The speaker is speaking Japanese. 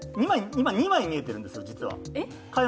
今、２枚見えてるんですよ、実は。